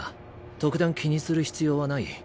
特段気にする必要はない。